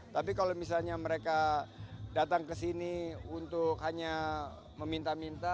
tapi kalau misalnya mereka datang ke sini untuk hanya meminta minta